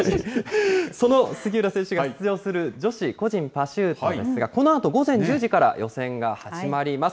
その杉浦選手が出場する女子個人パシュートですが、このあと午前１０時から予選が始まります。